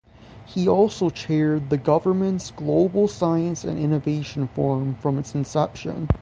He also chaired the government's Global Science and Innovation Forum from its inception.